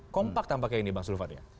kompak tampaknya ini bang suluhvan ini